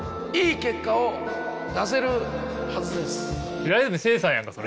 平泉成さんやんかそれ。